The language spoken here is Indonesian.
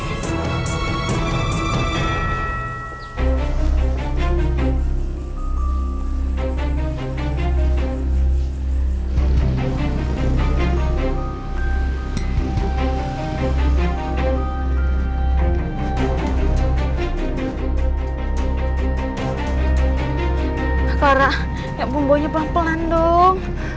kakara ya bumbunya pelan pelan dong